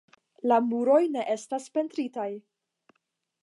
La muroj ne estas pentritaj.